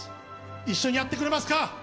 一緒にやってくれますか？